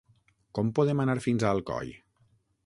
Com podem anar fins a Alcoi?